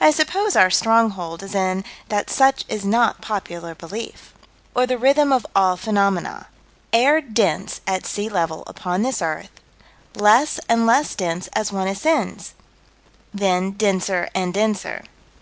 I suppose our stronghold is in that such is not popular belief Or the rhythm of all phenomena: Air dense at sea level upon this earth less and less dense as one ascends then denser and denser.